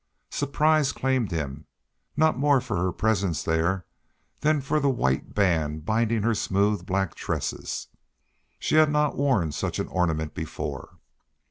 Surprise claimed him, not more for her presence there than for the white band binding her smooth black tresses. She had not worn such an ornament before.